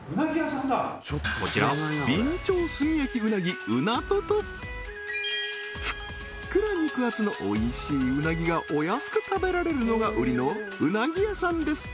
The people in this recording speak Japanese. こちらふっくら肉厚のおいしい鰻がお安く食べられるのが売りの鰻屋さんです